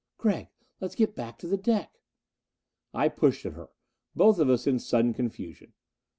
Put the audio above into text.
"Gregg, let's get back to the deck." I pushed at her. Both of us in sudden confusion.